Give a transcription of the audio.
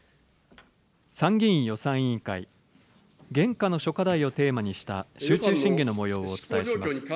参議院予算委員会、現下の諸課題をテーマにした集中審議のもようをお伝えします。